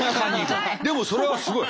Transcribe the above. でもそれはすごい。